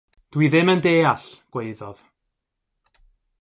“Dw i ddim yn deall,” gwaeddodd.